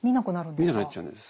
見なくなっちゃうんです。